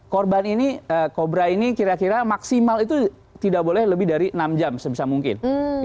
korban ini kobra ini kira kira maksimal itu tidak boleh lebih dari enam jam sebisa mungkin